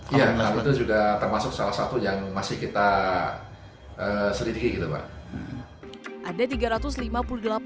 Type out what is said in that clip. iya nah itu juga termasuk salah satu yang masih kita selidiki gitu pak